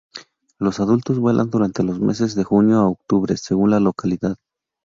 Los adultos vuelan durante los meses de junio a octubre, según la localidad.